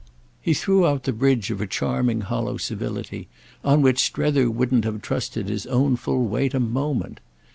He threw out the bridge of a charming hollow civility on which Strether wouldn't have trusted his own full weight a moment.